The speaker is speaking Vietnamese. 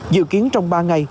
dự kiến trong ba ngày